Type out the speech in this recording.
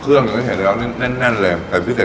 เครื่องอย่างนี้เห็นแล้วแน่นเลย